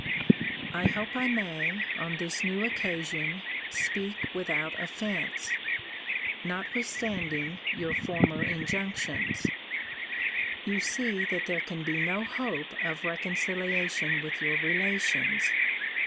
I hope I may, on this new occasion, speak without offence, notwithstanding your former injunctions You see that there can be no hope of reconciliation with your relations.